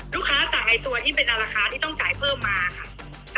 สั่งไอ้ตัวที่เป็นราคาที่ต้องจ่ายเพิ่มมาค่ะ